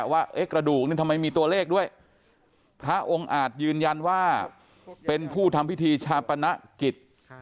ว่ากระดูกนี่ทำไมมีตัวเลขด้วยพระองค์อาจยืนยันว่าเป็นผู้ทำพิธีชาปนกิจ